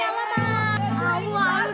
sampai adam sampai